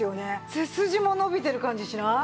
背筋も伸びてる感じしない？